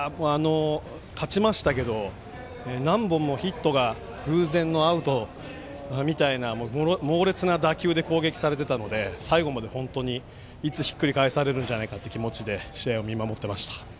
勝ちましたけど何本もヒットが偶然のアウトみたいな猛烈な打球で攻撃されていたので最後まで本当にいつひっくり返されるんじゃないかという気持ちで試合を見守ってました。